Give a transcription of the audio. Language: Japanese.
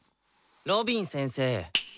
ロビン先生。